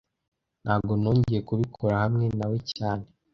Ntago nongeye kubikora hamwe nawe cyane